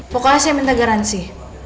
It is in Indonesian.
pokoknya saya minta garansi